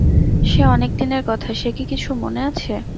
সে অনেক দিনের কথা, সে কি কিছু মনে আছে।